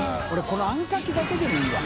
このあんかけだけでもいいや。